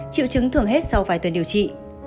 chịu chứng thường hết sau vài tuần điều trị